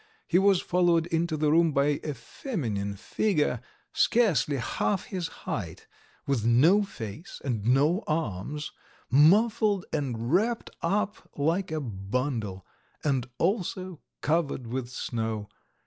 He was followed into the room by a feminine figure, scarcely half his height, with no face and no arms, muffled and wrapped up like a bundle and also covered with snow.